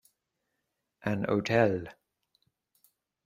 An hotel.